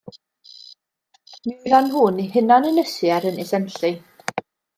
Mi oeddan nhw'n hunan-ynysu ar Ynys Enlli.